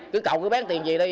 cứ cậu cứ bán tiền gì đi